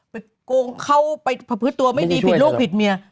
ไปโกงเข้าไปผศตัวไม่ดีผิดลูกผิดเมีย